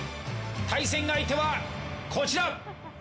対戦相手はこちら！